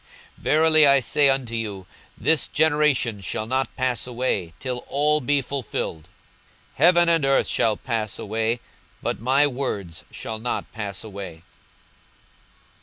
42:021:032 Verily I say unto you, This generation shall not pass away, till all be fulfilled. 42:021:033 Heaven and earth shall pass away: but my words shall not pass away.